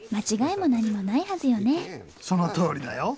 そのとおりだよ。